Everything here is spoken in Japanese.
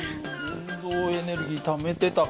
運動エネルギーためてたかな？